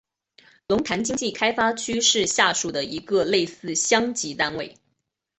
龙潭经济开发区是下辖的一个类似乡级单位。